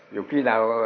dù khi nào